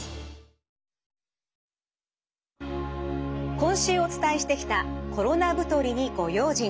今週お伝えしてきた「コロナ太りにご用心！」。